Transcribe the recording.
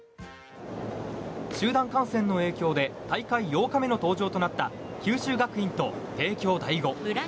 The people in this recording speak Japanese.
集団感染の影響で大会８日目の登場となった九州学院と帝京第五。